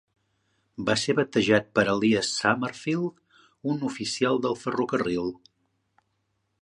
Va ser batejat per Elias Summerfield, un oficial del ferrocarril.